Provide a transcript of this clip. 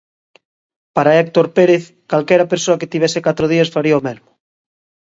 Para Héctor Pérez, "calquera persoa que tivese catro días faría o mesmo".